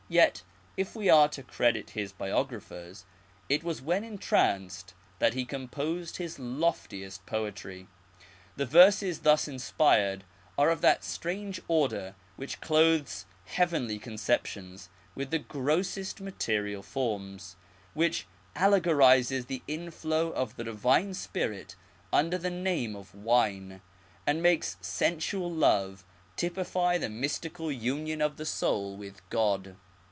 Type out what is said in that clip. Yet, if we are to credit his biographers, it was when entranced that he composed his loftiest poetry. The verses thus inspired are of that strange order which clothes heavenly conceptions with the grossest material forms, which allegorizes the inflow of the divine Spirit under the name of wine, and makes sensual love typify the mystical union of the soul with God.